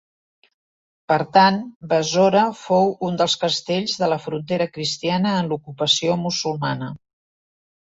Per tant, Besora fou un dels castells de la frontera cristiana en l'ocupació musulmana.